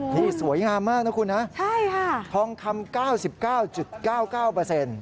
นี่สวยงามมากนะคุณฮะใช่ค่ะทองคำเก้าสิบเก้าจุดเก้าเก้าเปอร์เซ็นต์